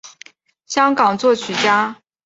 香港作曲家。